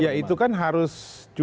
ya itu kan harus